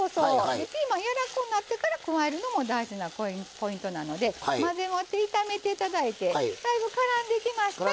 でピーマン柔らこうなってから加えるのも大事なポイントなので混ぜ終わって炒めて頂いてだいぶからんできましたら。